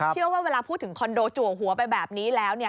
เวลาพูดถึงคอนโดจัวหัวไปแบบนี้แล้ว